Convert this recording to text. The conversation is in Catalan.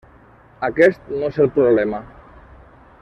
Aquest no és el problema.